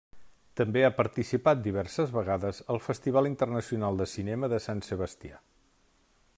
També ha participat diverses vegades al Festival Internacional de Cinema de Sant Sebastià.